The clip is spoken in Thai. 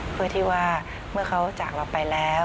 เพื่อที่ว่าเมื่อเขาจากเราไปแล้ว